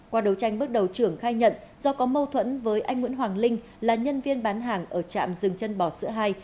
qua đấu tranh bước đầu trưởng khai nhận do có mâu thuẫn với anh nguyễn hoàng linh là nhân viên bán hàng ở trạm rừng chân bò sữa hai